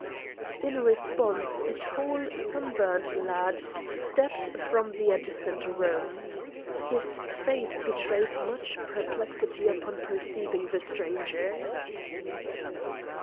In response, a tall sunburnt lad stepped from the adjacent room. His face betrayed much perplexity upon perceiving the strangers.